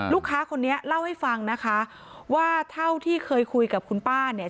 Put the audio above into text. ลูกค้าคนนี้เล่าให้ฟังนะคะว่าเท่าที่เคยคุยกับคุณป้าเนี่ย